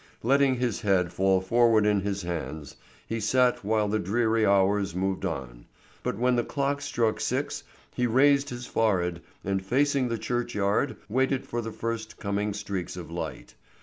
Letting his head fall forward in his hands he sat while the dreary hours moved on, but when the clock struck six he raised his forehead and facing the churchyard waited for the first coming streaks of light.